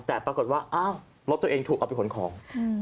แต่ปรากฏว่าอ้าวรถตัวเองถูกเอาไปขนของ